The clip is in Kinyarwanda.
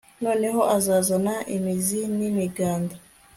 noneho azazana imizi n'imiganda